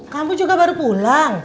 kamu juga baru pulang